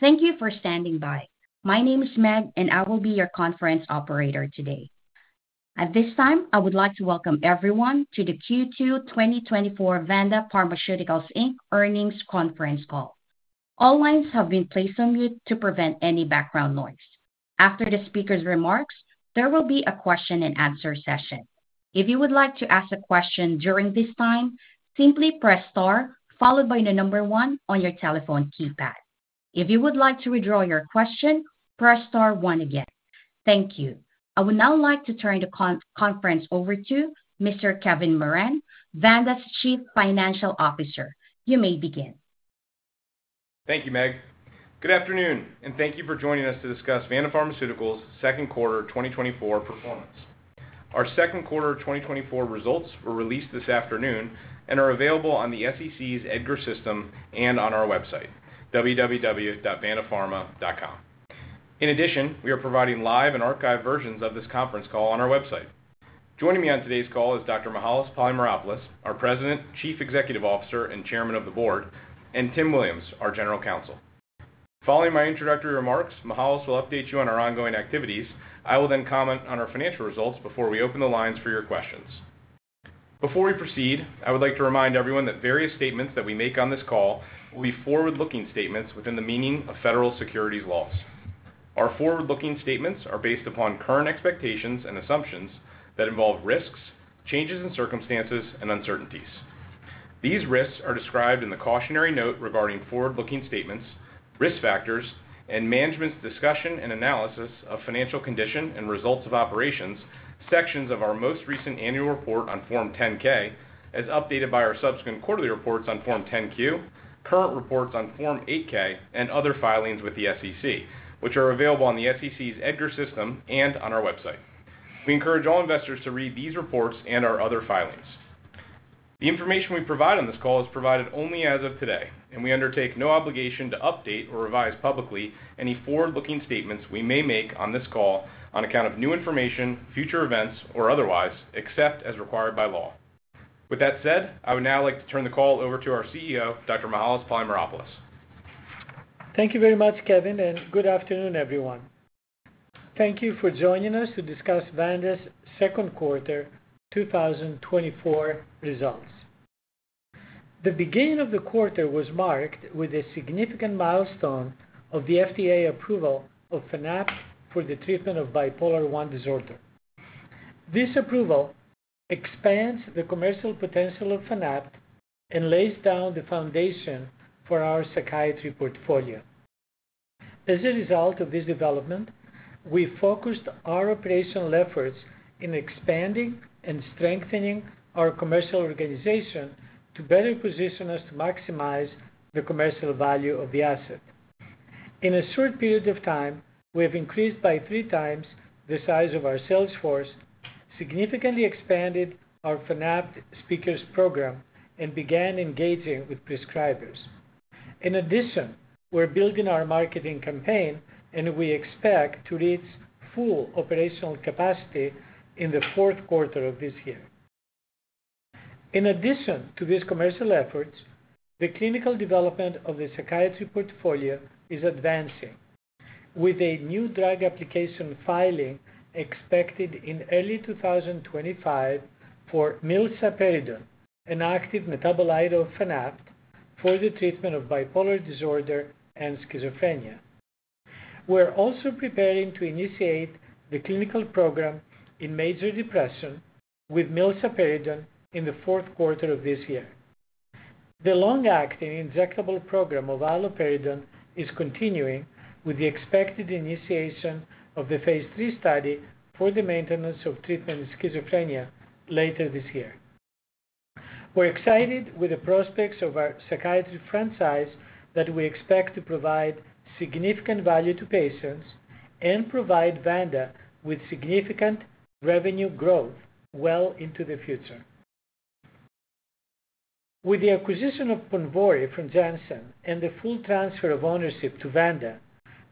Thank you for standing by. My name is Meg, and I will be your conference operator today. At this time, I would like to welcome everyone to the Q2 2024 Vanda Pharmaceuticals Inc. Earnings Conference Call. All lines have been placed on mute to prevent any background noise. After the speaker's remarks, there will be a question-and-answer session. If you would like to ask a question during this time, simply press star followed by the number one on your telephone keypad. If you would like to withdraw your question, press star one again. Thank you. I would now like to turn the conference over to Mr. Kevin Moran, Vanda's Chief Financial Officer. You may begin. Thank you, Meg. Good afternoon, and thank you for joining us to discuss Vanda Pharmaceuticals' second quarter 2024 performance. Our second quarter 2024 results were released this afternoon and are available on the SEC's EDGAR system and on our website, www.vandapharma.com. In addition, we are providing live and archived versions of this conference call on our website. Joining me on today's call is Dr. Mihalis Polymeropoulos, our President, Chief Executive Officer, and Chairman of the Board, and Tim Williams, our General Counsel. Following my introductory remarks, Mihalis will update you on our ongoing activities. I will then comment on our financial results before we open the lines for your questions. Before we proceed, I would like to remind everyone that various statements that we make on this call will be forward-looking statements within the meaning of federal securities laws. Our forward-looking statements are based upon current expectations and assumptions that involve risks, changes in circumstances, and uncertainties. These risks are described in the cautionary note regarding forward-looking statements, risk factors, and management's discussion and analysis of financial condition and results of operations, sections of our most recent annual report on Form 10-K, as updated by our subsequent quarterly reports on Form 10-Q, current reports on Form 8-K, and other filings with the SEC, which are available on the SEC's EDGAR system and on our website. We encourage all investors to read these reports and our other filings. The information we provide on this call is provided only as of today, and we undertake no obligation to update or revise publicly any forward-looking statements we may make on this call on account of new information, future events, or otherwise, except as required by law. With that said, I would now like to turn the call over to our CEO, Dr. Mihalis Polymeropoulos. Thank you very much, Kevin, and good afternoon, everyone. Thank you for joining us to discuss Vanda's second quarter 2024 results. The beginning of the quarter was marked with a significant milestone of the FDA approval of Fanapt for the treatment of bipolar I disorder. This approval expands the commercial potential of Fanapt and lays down the foundation for our psychiatry portfolio. As a result of this development, we focused our operational efforts in expanding and strengthening our commercial organization to better position us to maximize the commercial value of the asset. In a short period of time, we have increased by three times the size of our sales force, significantly expanded our Fanapt Speakers program, and began engaging with prescribers. In addition, we're building our marketing campaign, and we expect to reach full operational capacity in the fourth quarter of this year. In addition to these commercial efforts, the clinical development of the psychiatry portfolio is advancing, with a new drug application filing expected in early 2025 for milsaperidone, an active metabolite of Fanapt, for the treatment of bipolar disorder and schizophrenia. We're also preparing to initiate the clinical program in major depression with milsaperidone in the fourth quarter of this year. The long-acting injectable program of iloperidone is continuing with the expected initiation of the phase 3 study for the maintenance of treatment in schizophrenia later this year. We're excited with the prospects of our psychiatry franchise that we expect to provide significant value to patients and provide Vanda with significant revenue growth well into the future. With the acquisition of Ponvory from Janssen and the full transfer of ownership to Vanda,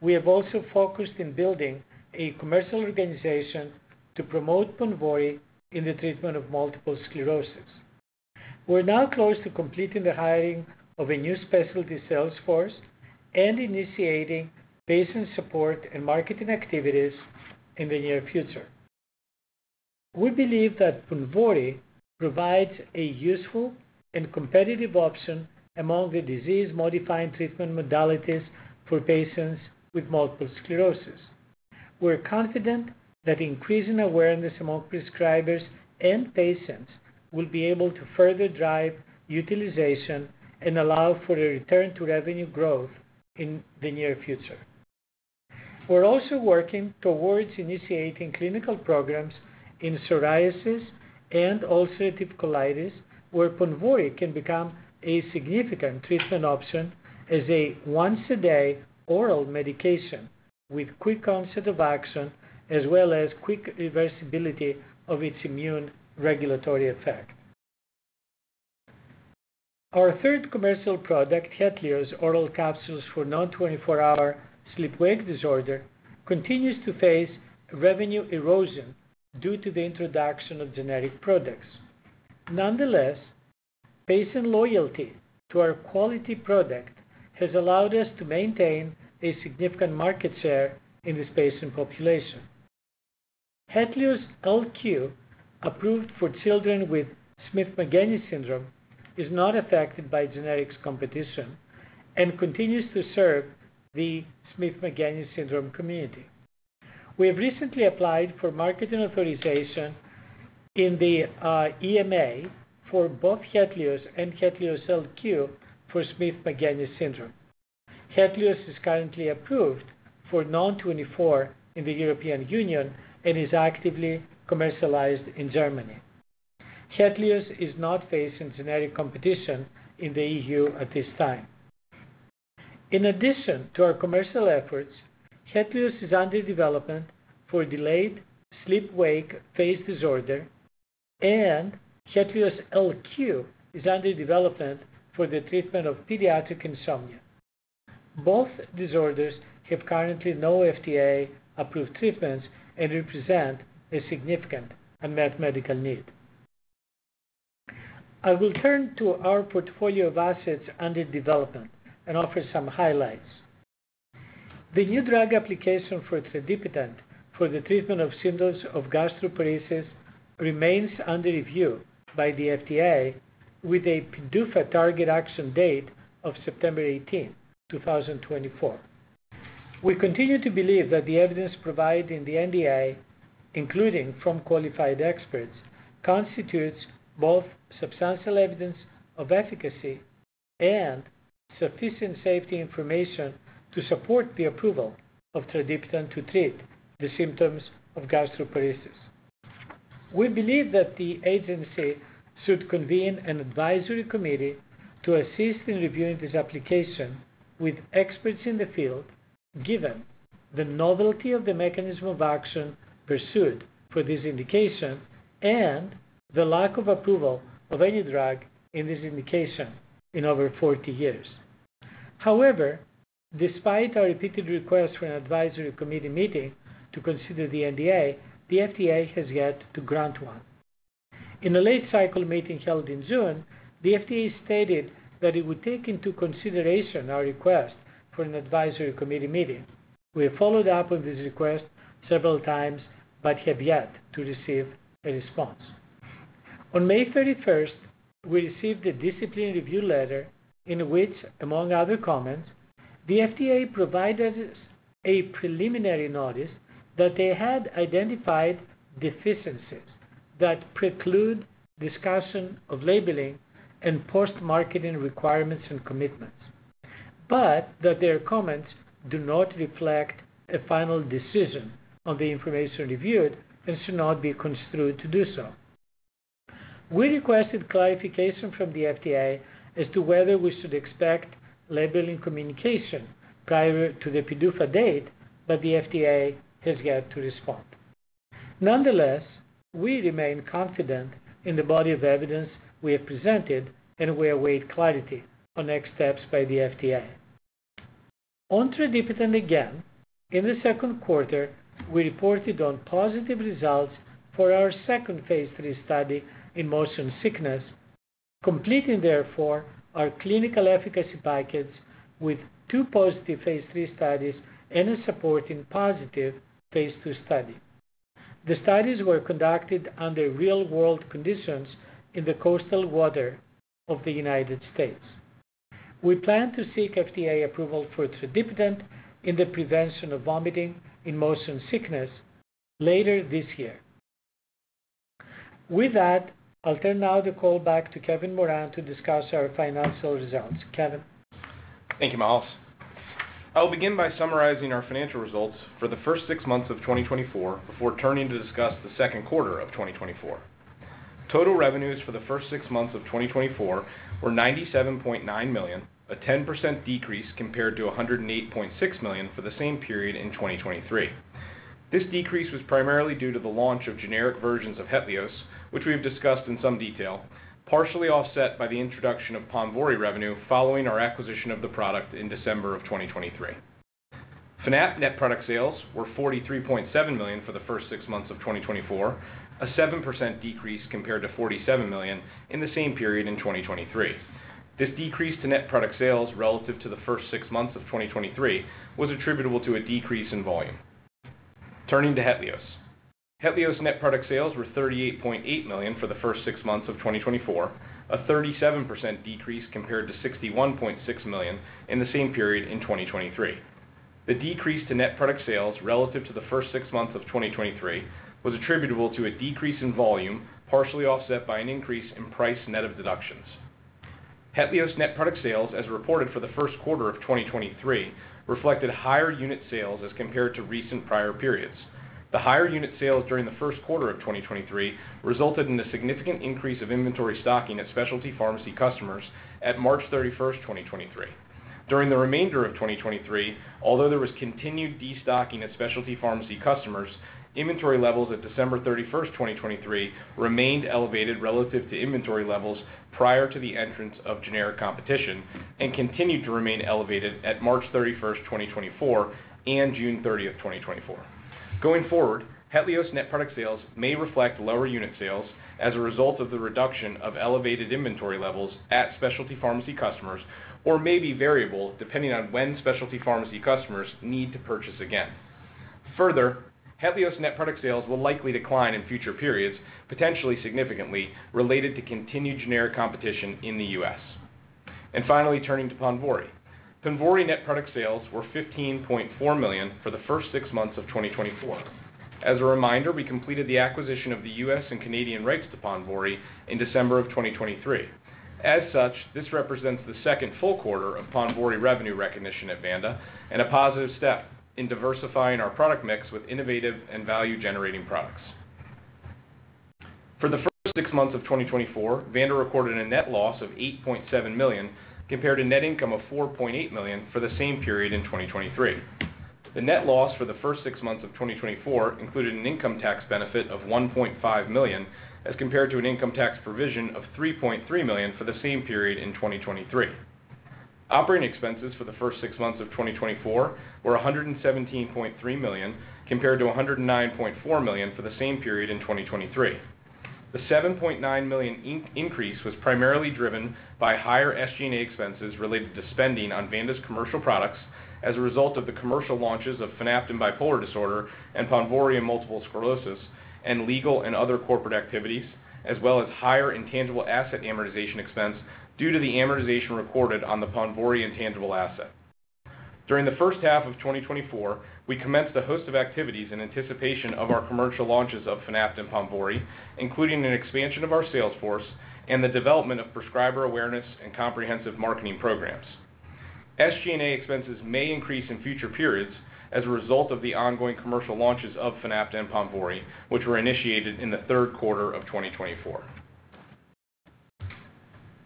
we have also focused in building a commercial organization to promote Ponvory in the treatment of multiple sclerosis. We're now close to completing the hiring of a new specialty sales force and initiating patient support and marketing activities in the near future. We believe that PONVORY provides a useful and competitive option among the disease-modifying treatment modalities for patients with multiple sclerosis. We're confident that increasing awareness among prescribers and patients will be able to further drive utilization and allow for a return to revenue growth in the near future. We're also working towards initiating clinical programs in psoriasis and ulcerative colitis, where PONVORY can become a significant treatment option as a once-a-day oral medication with quick onset of action, as well as quick reversibility of its immune regulatory effect. Our third commercial product, HETLIOZ oral capsules for non-24-hour sleep-wake disorder, continues to face revenue erosion due to the introduction of generic products. Nonetheless-... Patient loyalty to our quality product has allowed us to maintain a significant market share in this patient population. HETLIOZ LQ, approved for children with Smith-Magenis syndrome, is not affected by generics competition and continues to serve the Smith-Magenis syndrome community. We have recently applied for marketing authorization in the EMA for both HETLIOZ and HETLIOZ LQ for Smith-Magenis syndrome. HETLIOZ is currently approved for non-24 in the European Union and is actively commercialized in Germany. HETLIOZ is not facing generic competition in the EU at this time. In addition to our commercial efforts, HETLIOZ is under development for delayed sleep-wake phase disorder, and HETLIOZ LQ is under development for the treatment of pediatric insomnia. Both disorders have currently no FDA-approved treatments and represent a significant unmet medical need. I will turn to our portfolio of assets under development and offer some highlights. The new drug application for tradipitant for the treatment of symptoms of gastroparesis remains under review by the FDA with a PDUFA target action date of September 18, 2024. We continue to believe that the evidence provided in the NDA, including from qualified experts, constitutes both substantial evidence of efficacy and sufficient safety information to support the approval of tradipitant to treat the symptoms of gastroparesis. We believe that the agency should convene an advisory committee to assist in reviewing this application with experts in the field, given the novelty of the mechanism of action pursued for this indication and the lack of approval of any drug in this indication in over 40 years. However, despite our repeated requests for an advisory committee meeting to consider the NDA, the FDA has yet to grant one. In a late cycle meeting held in June, the FDA stated that it would take into consideration our request for an advisory committee meeting. We have followed up on this request several times, but have yet to receive a response. On May 31, we received a discipline review letter in which, among other comments, the FDA provided us a preliminary notice that they had identified deficiencies that preclude discussion of labeling and post-marketing requirements and commitments, but that their comments do not reflect a final decision on the information reviewed and should not be construed to do so. We requested clarification from the FDA as to whether we should expect labeling communication prior to the PDUFA date, but the FDA has yet to respond. Nonetheless, we remain confident in the body of evidence we have presented, and we await clarity on next steps by the FDA. On tradipitant again, in the second quarter, we reported on positive results for our second phase 3 study in motion sickness, completing therefore our clinical efficacy package with two positive phase 3 studies and a supporting positive phase 2 study. The studies were conducted under real-world conditions in the coastal waters of the United States. We plan to seek FDA approval for tradipitant in the prevention of vomiting in motion sickness later this year. With that, I'll turn now the call back to Kevin Moran to discuss our financial results. Kevin? Thank you, Mihalis. I'll begin by summarizing our financial results for the first six months of 2024 before turning to discuss the second quarter of 2024. Total revenues for the first six months of 2024 were $97.9 million, a 10% decrease compared to $108.6 million for the same period in 2023. This decrease was primarily due to the launch of generic versions of HETLIOZ, which we have discussed in some detail, partially offset by the introduction of PONVORY revenue following our acquisition of the product in December of 2023. Fanapt net product sales were $43.7 million for the first six months of 2024, a 7% decrease compared to $47 million in the same period in 2023. This decrease to net product sales relative to the first six months of 2023 was attributable to a decrease in volume. Turning to HETLIOZ. HETLIOZ net product sales were $38.8 million for the first six months of 2024, a 37% decrease compared to $61.6 million in the same period in 2023. The decrease to net product sales relative to the first six months of 2023 was attributable to a decrease in volume, partially offset by an increase in price net of deductions. HETLIOZ net product sales, as reported for the first quarter of 2023, reflected higher unit sales as compared to recent prior periods. The higher unit sales during the first quarter of 2023 resulted in a significant increase of inventory stocking at specialty pharmacy customers at March 31, 2023. During the remainder of 2023, although there was continued destocking at specialty pharmacy customers, inventory levels at December 31, 2023, remained elevated relative to inventory levels prior to the entrance of generic competition and continued to remain elevated at March 31, 2024, and June 30, 2024. Going forward, HETLIOZ net product sales may reflect lower unit sales as a result of the reduction of elevated inventory levels at specialty pharmacy customers or may be variable depending on when specialty pharmacy customers need to purchase again. Further, HETLIOZ net product sales will likely decline in future periods, potentially significantly related to continued generic competition in the U.S. Finally, turning to PONVORY. PONVORY net product sales were $15.4 million for the first six months of 2024. As a reminder, we completed the acquisition of the U.S. and Canadian rights to PONVORY in December of 2023. As such, this represents the second full quarter of PONVORY revenue recognition at Vanda, and a positive step in diversifying our product mix with innovative and value-generating products. For the first six months of 2024, Vanda recorded a net loss of $8.7 million, compared to net income of $4.8 million for the same period in 2023. The net loss for the first six months of 2024 included an income tax benefit of $1.5 million, as compared to an income tax provision of $3.3 million for the same period in 2023. Operating expenses for the first six months of 2024 were $117.3 million, compared to $109.4 million for the same period in 2023. The $7.9 million increase was primarily driven by higher SG&A expenses related to spending on Vanda's commercial products as a result of the commercial launches of Fanapt in bipolar disorder and PONVORY in multiple sclerosis, and legal and other corporate activities, as well as higher intangible asset amortization expense due to the amortization recorded on the PONVORY intangible asset. During the first half of 2024, we commenced a host of activities in anticipation of our commercial launches of Fanapt and PONVORY, including an expansion of our sales force and the development of prescriber awareness and comprehensive marketing programs. SG&A expenses may increase in future periods as a result of the ongoing commercial launches of Fanapt and PONVORY, which were initiated in the third quarter of 2024.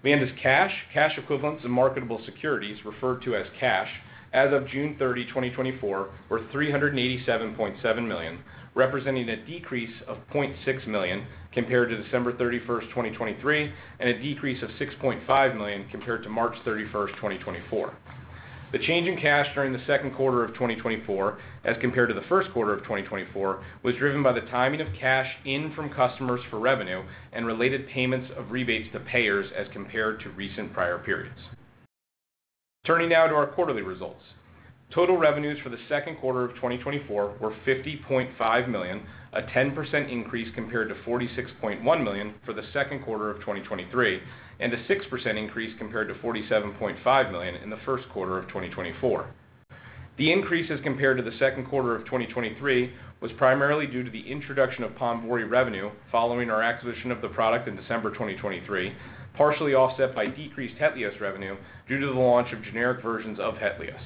Vanda's cash, cash equivalents, and marketable securities, referred to as cash, as of June 30, 2024, were $387.7 million, representing a decrease of $0.6 million compared to December 31, 2023, and a decrease of $6.5 million compared to March 31, 2024. The change in cash during the second quarter of 2024, as compared to the first quarter of 2024, was driven by the timing of cash in from customers for revenue and related payments of rebates to payers as compared to recent prior periods. Turning now to our quarterly results. Total revenues for the second quarter of 2024 were $50.5 million, a 10% increase compared to $46.1 million for the second quarter of 2023, and a 6% increase compared to $47.5 million in the first quarter of 2024. The increase as compared to the second quarter of 2023 was primarily due to the introduction of PONVORY revenue following our acquisition of the product in December 2023, partially offset by decreased HETLIOZ revenue due to the launch of generic versions of HETLIOZ.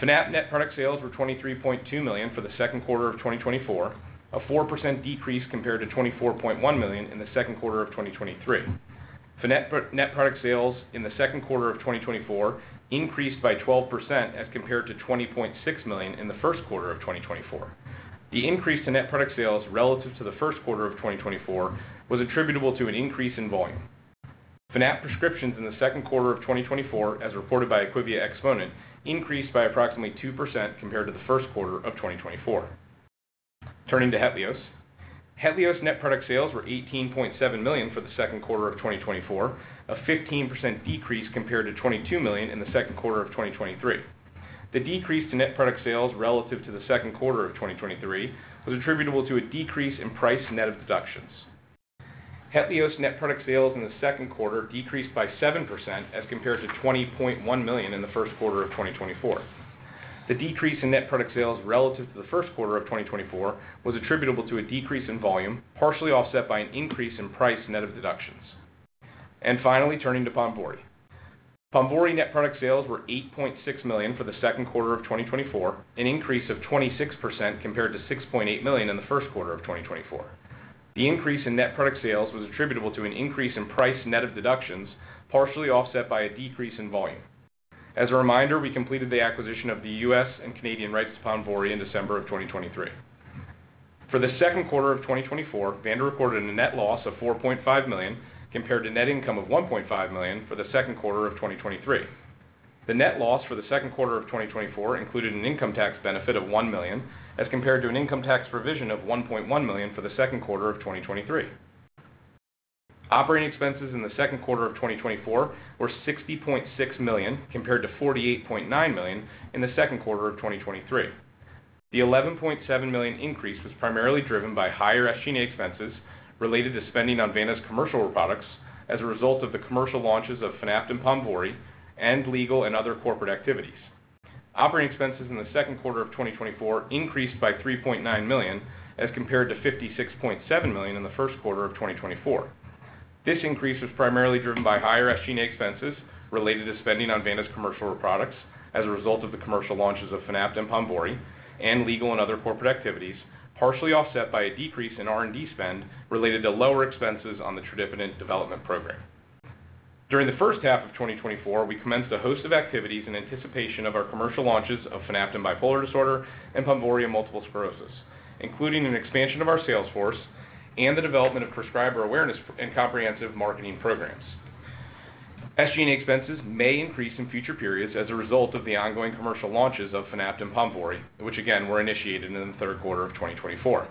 Fanapt net product sales were $23.2 million for the second quarter of 2024, a 4% decrease compared to $24.1 million in the second quarter of 2023. FANAPT net product sales in the second quarter of 2024 increased by 12% as compared to $20.6 million in the first quarter of 2024. The increase to net product sales relative to the first quarter of 2024 was attributable to an increase in volume. FANAPT prescriptions in the second quarter of 2024, as reported by IQVIA Xponent, increased by approximately 2% compared to the first quarter of 2024. Turning to HETLIOZ. HETLIOZ net product sales were $18.7 million for the second quarter of 2024, a 15% decrease compared to $22 million in the second quarter of 2023. The decrease to net product sales relative to the second quarter of 2023 was attributable to a decrease in price net of deductions. HETLIOZ net product sales in the second quarter decreased by 7% as compared to $20.1 million in the first quarter of 2024. The decrease in net product sales relative to the first quarter of 2024 was attributable to a decrease in volume, partially offset by an increase in price net of deductions. And finally, turning to PONVORY. PONVORY net product sales were $8.6 million for the second quarter of 2024, an increase of 26% compared to $6.8 million in the first quarter of 2024. The increase in net product sales was attributable to an increase in price net of deductions, partially offset by a decrease in volume. As a reminder, we completed the acquisition of the US and Canadian rights to PONVORY in December of 2023. For the second quarter of 2024, Vanda reported a net loss of $4.5 million, compared to net income of $1.5 million for the second quarter of 2023. The net loss for the second quarter of 2024 included an income tax benefit of $1 million, as compared to an income tax provision of $1.1 million for the second quarter of 2023. Operating expenses in the second quarter of 2024 were $60.6 million, compared to $48.9 million in the second quarter of 2023. The $11.7 million increase was primarily driven by higher SG&A expenses related to spending on Vanda's commercial products as a result of the commercial launches of Fanapt and PONVORY, and legal and other corporate activities. Operating expenses in the second quarter of 2024 increased by $3.9 million, as compared to $56.7 million in the first quarter of 2024. This increase was primarily driven by higher SG&A expenses related to spending on Vanda's commercial products as a result of the commercial launches of Fanapt and PONVORY, and legal and other corporate activities, partially offset by a decrease in R&D spend related to lower expenses on the tradipitant development program. During the first half of 2024, we commenced a host of activities in anticipation of our commercial launches of Fanapt in bipolar disorder and PONVORY in multiple sclerosis, including an expansion of our sales force and the development of prescriber awareness and comprehensive marketing programs. SG&A expenses may increase in future periods as a result of the ongoing commercial launches of Fanapt and PONVORY, which again, were initiated in the third quarter of 2024.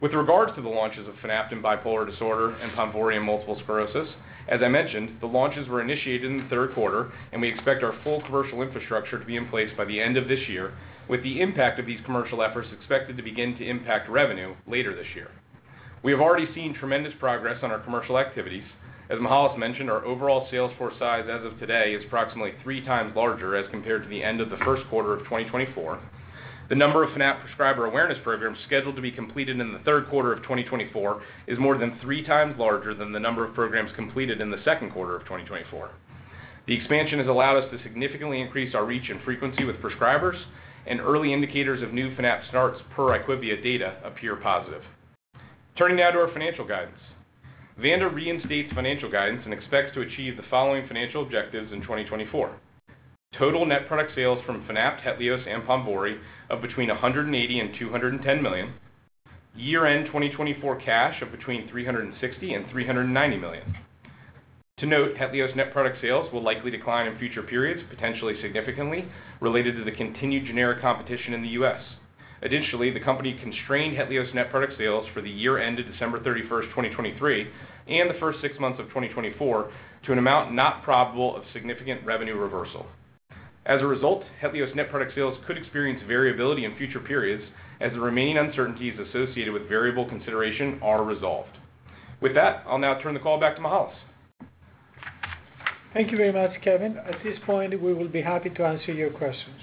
With regards to the launches of Fanapt and bipolar disorder and PONVORY and multiple sclerosis, as I mentioned, the launches were initiated in the third quarter, and we expect our full commercial infrastructure to be in place by the end of this year, with the impact of these commercial efforts expected to begin to impact revenue later this year. We have already seen tremendous progress on our commercial activities. As Mihalis mentioned, our overall sales force size as of today is approximately three times larger as compared to the end of the first quarter of 2024. The number of Fanapt prescriber awareness programs scheduled to be completed in the third quarter of 2024 is more than three times larger than the number of programs completed in the second quarter of 2024. The expansion has allowed us to significantly increase our reach and frequency with prescribers, and early indicators of new Fanapt starts per IQVIA data appear positive. Turning now to our financial guidance. Vanda reinstates financial guidance and expects to achieve the following financial objectives in 2024. Total net product sales from Fanapt, HETLIOZ, and PONVORY of between $180 and $210 million. Year-end 2024 cash of between $360 and $390 million. To note, HETLIOZ net product sales will likely decline in future periods, potentially significantly, related to the continued generic competition in the U.S. Additionally, the company constrained HETLIOZ net product sales for the year ended December 31, 2023, and the first six months of 2024, to an amount not probable of significant revenue reversal. As a result, HETLIOZ net product sales could experience variability in future periods as the remaining uncertainties associated with variable consideration are resolved. With that, I'll now turn the call back to Mihalis. Thank you very much, Kevin. At this point, we will be happy to answer your questions.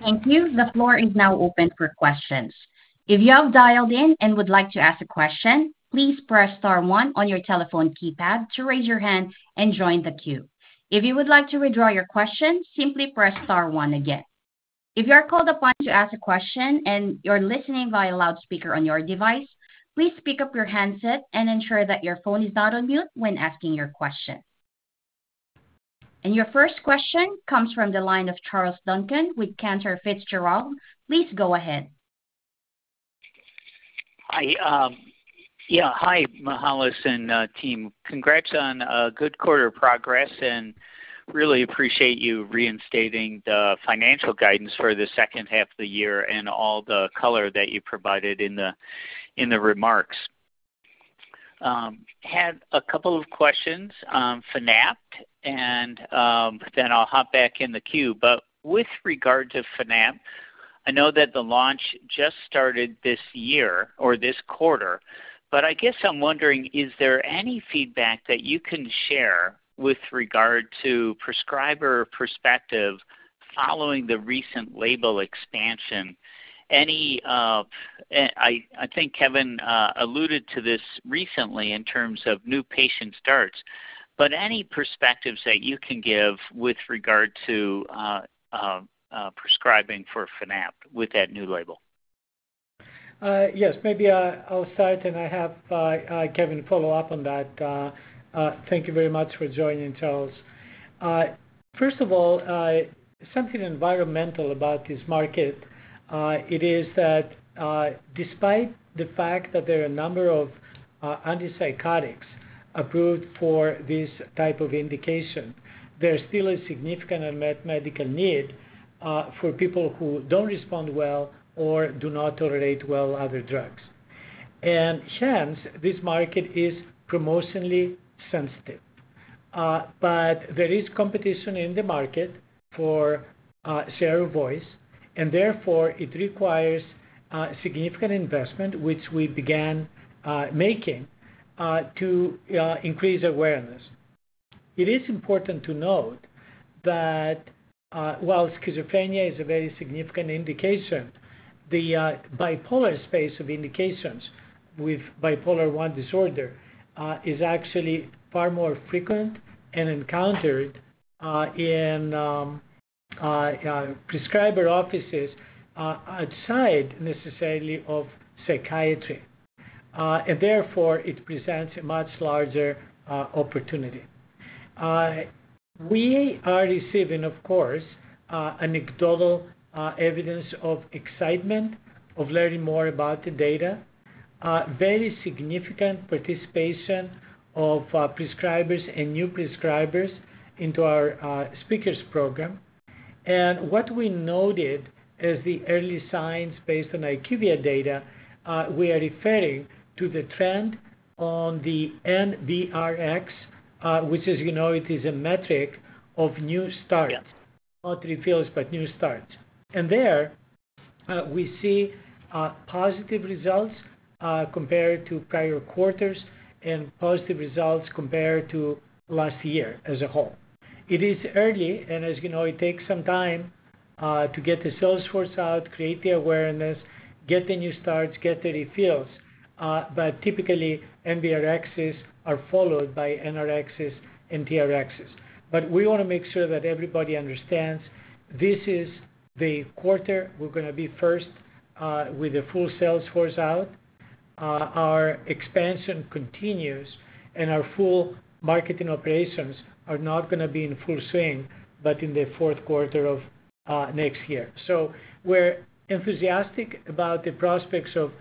Thank you. The floor is now open for questions. If you have dialed in and would like to ask a question, please press star one on your telephone keypad to raise your hand and join the queue. If you would like to withdraw your question, simply press star one again. If you are called upon to ask a question and you're listening via loudspeaker on your device, please pick up your handset and ensure that your phone is not on mute when asking your question. Your first question comes from the line of Charles Duncan with Cantor Fitzgerald. Please go ahead. Hi. Yeah, hi, Mihalis and team. Congrats on a good quarter of progress, and really appreciate you reinstating the financial guidance for the second half of the year and all the color that you provided in the remarks. Had a couple of questions, Fanapt, and then I'll hop back in the queue. But with regard to Fanapt, I know that the launch just started this year or this quarter, but I guess I'm wondering, is there any feedback that you can share with regard to prescriber perspective following the recent label expansion? Any, I think Kevin alluded to this recently in terms of new patient starts, but any perspectives that you can give with regard to prescribing for Fanapt with that new label? Yes, maybe I'll start, and I have Kevin follow up on that. Thank you very much for joining, Charles. First of all, something environmental about this market, it is that, despite the fact that there are a number of antipsychotics approved for this type of indication, there is still a significant unmet medical need, for people who don't respond well or do not tolerate well other drugs. And hence, this market is promotionally sensitive. But there is competition in the market for share of voice, and therefore it requires significant investment, which we began making to increase awareness. It is important to note that, while schizophrenia is a very significant indication, the bipolar space of indications with bipolar I disorder is actually far more frequent and encountered in prescriber offices outside necessarily of psychiatry, and therefore it presents a much larger opportunity. We are receiving, of course, anecdotal evidence of excitement of learning more about the data, very significant participation of prescribers and new prescribers into our speakers program. And what we noted as the early signs based on IQVIA data, we are referring to the trend on the NBRx, which, as you know, it is a metric of new starts, not refills, but new starts. And there, we see positive results compared to prior quarters and positive results compared to last year as a whole. It is early, and as you know, it takes some time to get the sales force out, create the awareness, get the new starts, get the refills, but typically, NBRxs are followed by NRXs and TRXs. But we want to make sure that everybody understands this is the quarter we're gonna be first with a full sales force out. Our expansion continues, and our full marketing operations are not gonna be in full swing, but in the fourth quarter of next year. So we're enthusiastic about the prospects of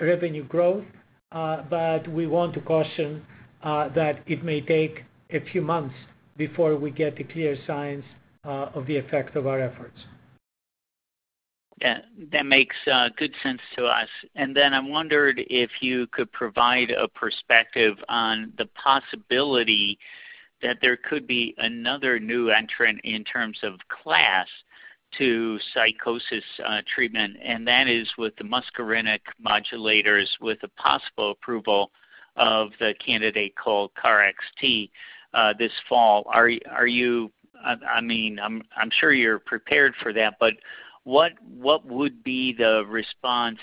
revenue growth, but we want to caution that it may take a few months before we get the clear signs of the effect of our efforts. Yeah, that makes good sense to us. And then I wondered if you could provide a perspective on the possibility that there could be another new entrant in terms of class to psychosis treatment, and that is with the muscarinic modulators, with the possible approval of the candidate called KarXT this fall. Are you? I mean, I'm sure you're prepared for that, but what would be the response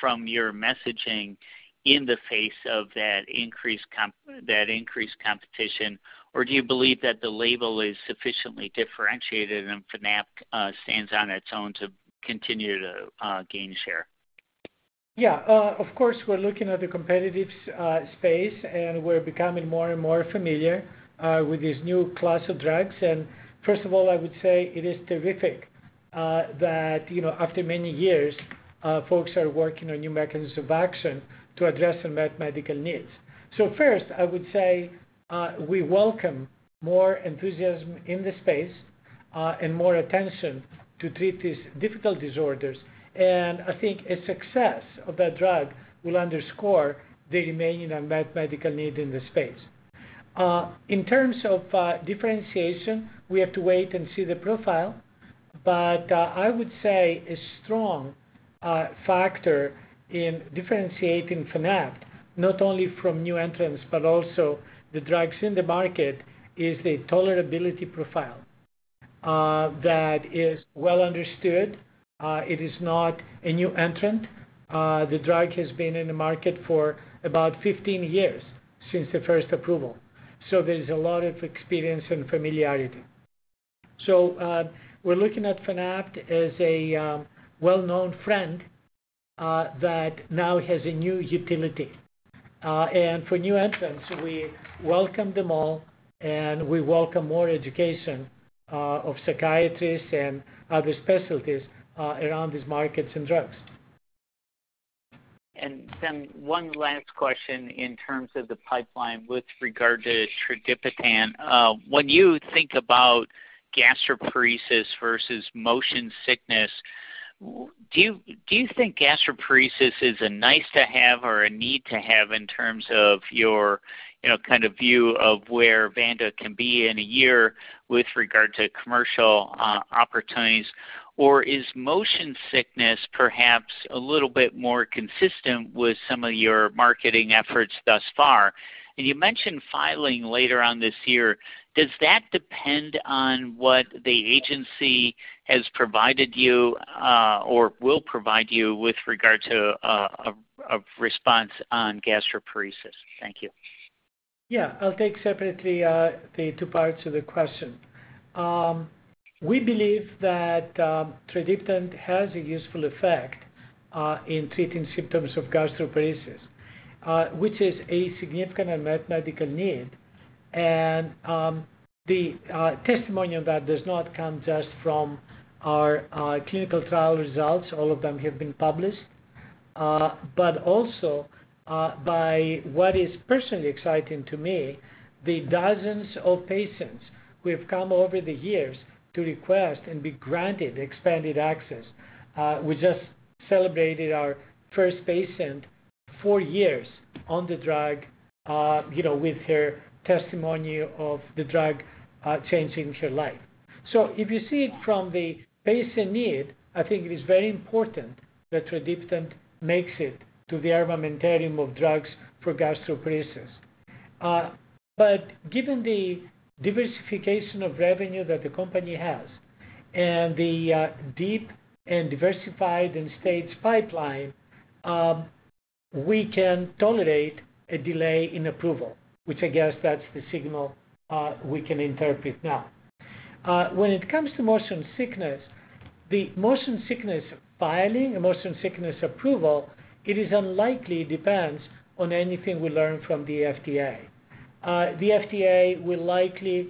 from your messaging in the face of that increased comp, that increased competition? Or do you believe that the label is sufficiently differentiated, and Fanapt stands on its own to continue to gain share? Yeah, of course, we're looking at the competitive space, and we're becoming more and more familiar with this new class of drugs. And first of all, I would say it is terrific that, you know, after many years, folks are working on new mechanisms of action to address unmet medical needs. So first, I would say we welcome more enthusiasm in the space and more attention to treat these difficult disorders, and I think a success of that drug will underscore the remaining unmet medical need in the space. In terms of differentiation, we have to wait and see the profile, but I would say a strong factor in differentiating Fanapt, not only from new entrants, but also the drugs in the market, is the tolerability profile. That is well understood. It is not a new entrant. The drug has been in the market for about 15 years since the first approval, so there's a lot of experience and familiarity. We're looking at Fanapt as a well-known friend that now has a new utility. For new entrants, we welcome them all, and we welcome more education of psychiatrists and other specialties around these markets and drugs. Then one last question in terms of the pipeline with regard to tradipitant. When you think about gastroparesis versus motion sickness, do you think gastroparesis is a nice to have or a need to have in terms of your, you know, kind of view of where Vanda can be in a year with regard to commercial opportunities? Or is motion sickness perhaps a little bit more consistent with some of your marketing efforts thus far? And you mentioned filing later on this year. Does that depend on what the agency has provided you, or will provide you with regard to a response on gastroparesis? Thank you. Yeah. I'll take separately the two parts of the question. We believe that tradipitant has a useful effect in treating symptoms of gastroparesis, which is a significant unmet medical need. And the testimony on that does not come just from our clinical trial results. All of them have been published. But also by what is personally exciting to me, the dozens of patients who have come over the years to request and be granted expanded access. We just celebrated our first patient, four years on the drug, you know, with her testimony of the drug changing her life. So if you see it from the patient need, I think it is very important that tradipitant makes it to the armamentarium of drugs for gastroparesis. But given the diversification of revenue that the company has and the deep and diversified and staged pipeline, we can tolerate a delay in approval, which I guess that's the signal we can interpret now. When it comes to motion sickness, the motion sickness filing and motion sickness approval, it is unlikely depends on anything we learn from the FDA. The FDA will likely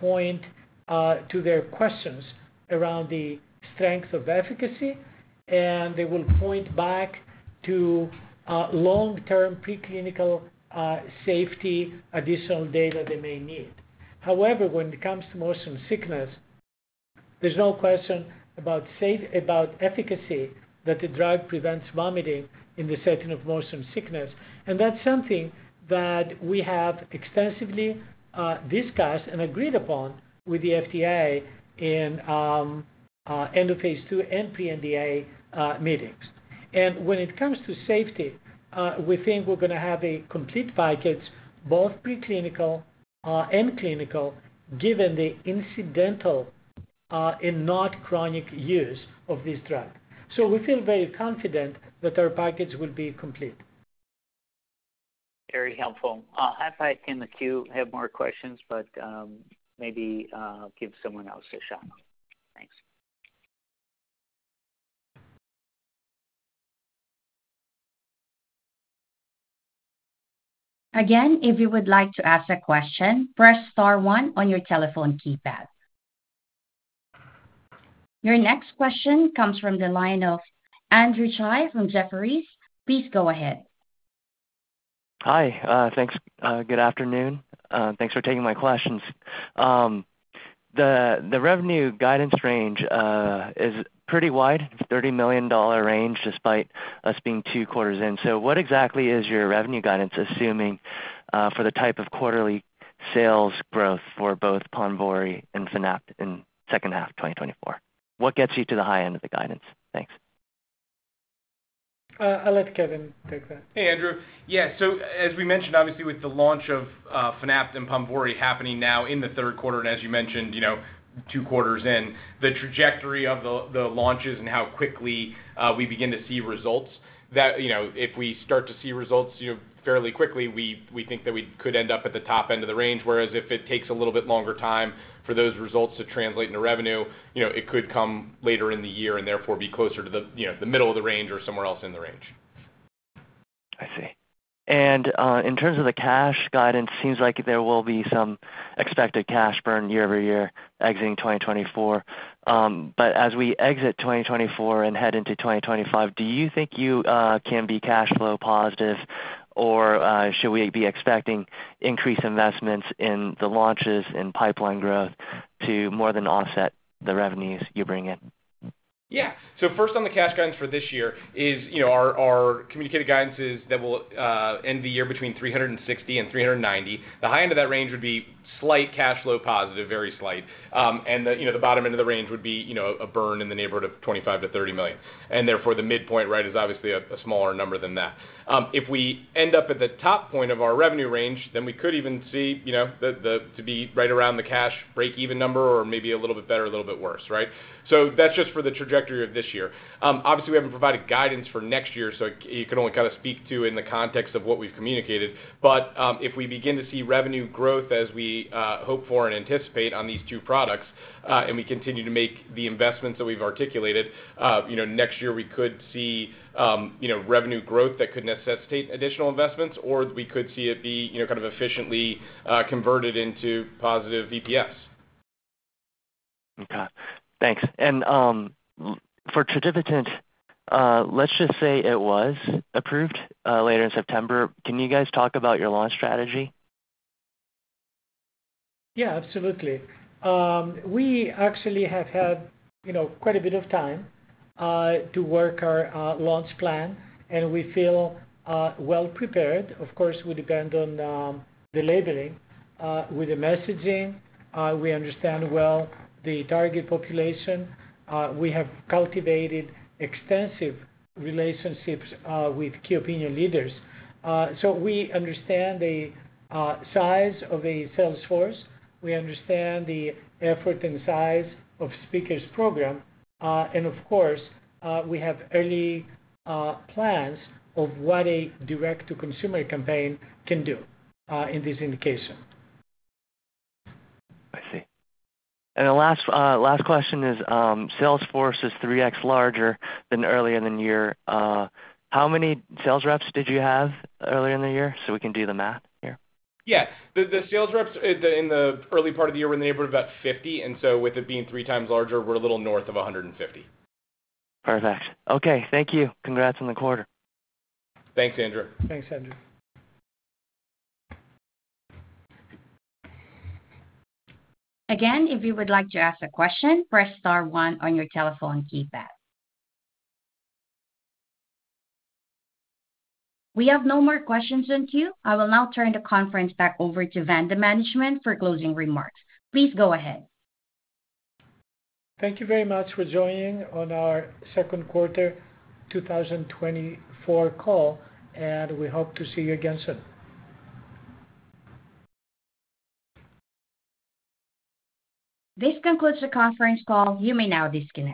point to their questions around the strength of efficacy, and they will point back to long-term preclinical safety, additional data they may need. However, when it comes to motion sickness, there's no question about efficacy, that the drug prevents vomiting in the setting of motion sickness, and that's something that we have extensively discussed and agreed upon with the FDA in end of phase two and pre-NDA meetings. When it comes to safety, we think we're gonna have a complete package, both preclinical and clinical, given the incidental and not chronic use of this drug. We feel very confident that our package will be complete. Very helpful. I in the queue have more questions, but maybe give someone else a shot. Thanks. Again, if you would like to ask a question, press star one on your telephone keypad... Your next question comes from the line of Andrew Tsai from Jefferies. Please go ahead. Hi, thanks. Good afternoon. Thanks for taking my questions. The revenue guidance range is pretty wide, $30 million range, despite us being two quarters in. So what exactly is your revenue guidance, assuming for the type of quarterly sales growth for both PONVORY and Fanapt in second half 2024? What gets you to the high end of the guidance? Thanks. I'll let Kevin take that. Hey, Andrew. Yeah, so as we mentioned, obviously, with the launch of Fanapt and PONVORY happening now in the third quarter, and as you mentioned, you know, two quarters in, the trajectory of the, the launches and how quickly we begin to see results, that, you know, if we start to see results, you know, fairly quickly, we, we think that we could end up at the top end of the range, whereas if it takes a little bit longer time for those results to translate into revenue, you know, it could come later in the year and therefore be closer to the, you know, the middle of the range or somewhere else in the range. I see. And, in terms of the cash guidance, seems like there will be some expected cash burn year-over-year exiting 2024. But as we exit 2024 and head into 2025, do you think you can be cash flow positive, or should we be expecting increased investments in the launches and pipeline growth to more than offset the revenues you bring in? Yeah. So first on the cash guidance for this year is, you know, our communicated guidance is that we'll end the year between $360 million and $390 million. The high end of that range would be slight cash flow positive, very slight. And the bottom end of the range would be, you know, a burn in the neighborhood of $25 million-$30 million, and therefore, the midpoint, right, is obviously a smaller number than that. If we end up at the top point of our revenue range, then we could even see, you know, to be right around the cash breakeven number or maybe a little bit better, a little bit worse, right? So that's just for the trajectory of this year. Obviously, we haven't provided guidance for next year, so you can only kind of speak to in the context of what we've communicated. But, if we begin to see revenue growth as we hope for and anticipate on these two products, and we continue to make the investments that we've articulated, you know, next year we could see, you know, revenue growth that could necessitate additional investments, or we could see it be, you know, kind of efficiently converted into positive VPS. Okay, thanks. And, for tradipitant, let's just say it was approved later in September. Can you guys talk about your launch strategy? Yeah, absolutely. We actually have had, you know, quite a bit of time to work our launch plan, and we feel well prepared. Of course, we depend on the labeling. With the messaging, we understand well the target population. We have cultivated extensive relationships with key opinion leaders. So we understand the size of a sales force, we understand the effort and size of speakers' program, and of course, we have early plans of what a direct-to-consumer campaign can do in this indication. I see. And the last question is, sales force is 3x larger than earlier in the year. How many sales reps did you have earlier in the year, so we can do the math here? Yeah. The sales reps in the early part of the year were in the neighborhood of about 50, and so with it being 3 times larger, we're a little north of 150. Perfect. Okay, thank you. Congrats on the quarter. Thanks, Andrew. Thanks, Andrew. Again, if you would like to ask a question, press star one on your telephone keypad. We have no more questions in queue. I will now turn the conference back over to Vanda management for closing remarks. Please go ahead. Thank you very much for joining on our second quarter 2024 call, and we hope to see you again soon. This concludes the conference call. You may now disconnect.